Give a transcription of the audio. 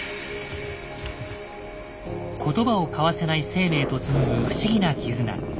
言葉を交わせない生命と紡ぐ不思議な絆。